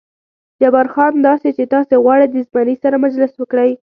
جبار خان: دا چې تاسې غواړئ د زمري سره مجلس وکړئ.